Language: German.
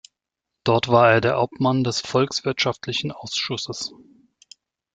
Dort war er Obmann des Volkswirtschaftlichen Ausschusses.